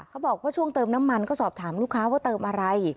เขาบอกว่าช่วงเติมน้ำมันก็สอบถามลูกค้าว่าเติมอะไร